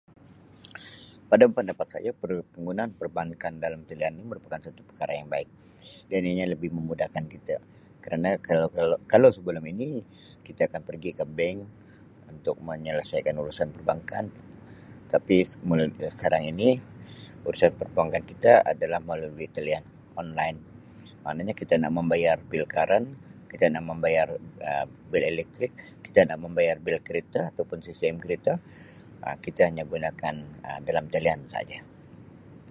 Pada pendapat saya penggu-penggunaan perbankan dalam talian ini merupakan satu perkara yang baik dan ianya lebih memudahkah kita kerana kalau kalau kalau sebelum ini kita akan pergi ke bank untuk menyelesaikan urusan perbankan tapi melalui sekarang ini urusan perbankan kita adalah melalui talian online maknanya kita nak membayar bil karan kita nak membayar Um bil elektrik kita nak membayar bil kereta atau pun ccm kereta Um kita hanya gunakan Um dalam talian sahaja.